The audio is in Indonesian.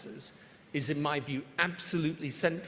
dan satu bagian besar dari itu